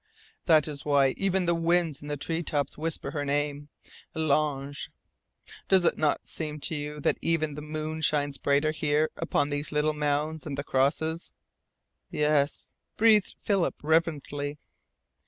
That is why even the winds in the treetops whisper her name, L'Ange! Does it not seem to you that even the moon shines brighter here upon these little mounds and the crosses?" "Yes," breathed Philip reverently.